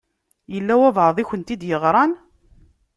Yella walebɛaḍ i akent-id-iɣṛan?